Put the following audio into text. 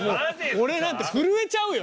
俺なんか震えちゃうよ！